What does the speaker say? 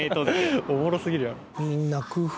おもろすぎるやろ。